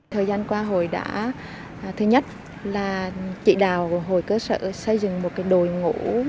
thời gian qua hồi đã thứ nhất là chị đào hồi cơ sở xây dựng một đôi ngũ